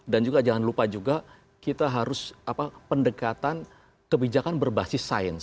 dan juga jangan lupa juga kita harus pendekatan kebijakan berbasis sains